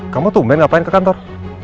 kamu tuh main ngapain ke kantor